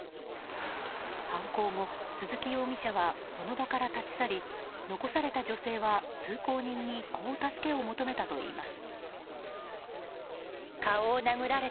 犯行後、鈴木容疑者はその場から立ち去り残された女性は通行人にこう助けを求めたといいます。